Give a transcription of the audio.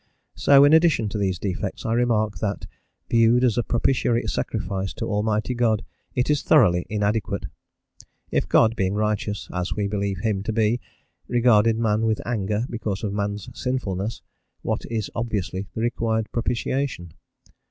So, in addition to these defects, I remark that, viewed as a propitiatory sacrifice to Almighty God, it is thoroughly inadequate. If God, being righteous, as we believe Him to be, regarded man with anger because of man's sinfulness, what is obviously the required propitiation?